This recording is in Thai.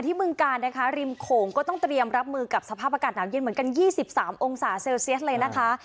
บึงการนะคะริมโขงก็ต้องเตรียมรับมือกับสภาพอากาศหนาวเย็นเหมือนกัน๒๓องศาเซลเซียสเลยนะคะ